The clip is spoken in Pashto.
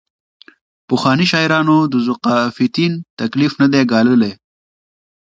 پخوانیو شاعرانو د ذوقافیتین تکلیف نه دی ګاللی.